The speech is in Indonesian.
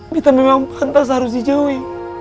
kita memang pantas harus dijauhi